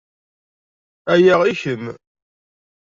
Aya i kemm.